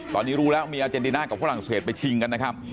ตอนนี้รู้แล้วมีอาเจนตินาคกับพวกหลังเศรษฐ์ไปชิงกันนะครับ